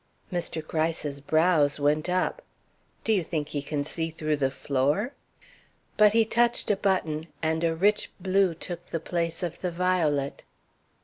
Mr. Gryce's brows went up. "Do you think he can see through the floor?" But he touched a button, and a rich blue took the place of the violet.